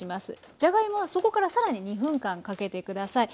じゃがいもはそこからさらに２分間かけてください。